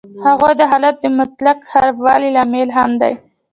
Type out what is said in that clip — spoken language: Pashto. هغوی د حالت د مطلق خرابوالي لامل هم دي